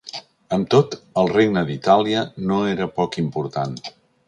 Amb tot, el Regne d'Itàlia no era poc important.